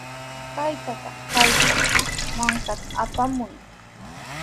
Kutatraw kaykaq mankata apamuy.